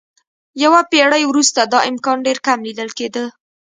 یوه پېړۍ وروسته دا امکان ډېر کم لیدل کېده.